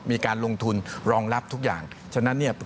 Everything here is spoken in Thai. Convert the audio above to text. มีการลงทุนรองรับทุกอย่างฉะนั้นเนี่ย